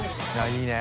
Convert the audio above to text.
いいね。